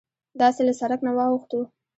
داسې له سرک نه واوښتوو.